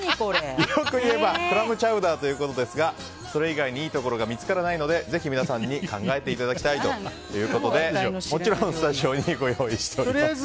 良く言えばクラムチャウダーということですがそれ以外にいいところが見つからないのでぜひ、皆さんに考えていただきたいということでもちろんスタジオにご用意しています。